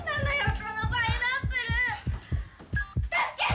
このパイナップル！助けて！